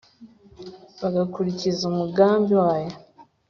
bagakurikiza umugambi wayo